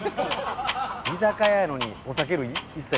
居酒屋やのにお酒類一切。